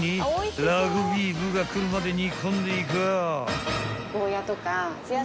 ［ラグビー部が来るまで煮込んでいかぁ］